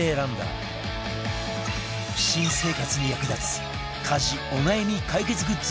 新生活に役立つ家事お悩み解決グッズ